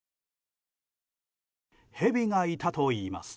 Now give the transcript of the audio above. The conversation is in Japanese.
ヘビがいたといいます。